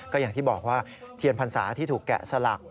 ก็อย่างที่บอกว่าเทียนพรรษาที่ถูกแกะสลัก